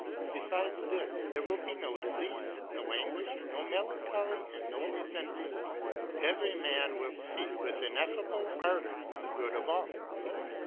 Beside this, there will be no disease, no anguish, no melancholy, and no resentment. Every man will seek with ineffable ardour the good of all.